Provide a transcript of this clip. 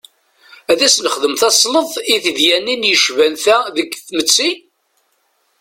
Ad as-nexdem tasleḍt i tedyanin yecban ta deg tmetti?